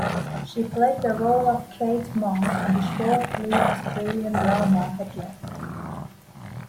She played the role of Kate Monk on the short-lived Australian drama "headLand".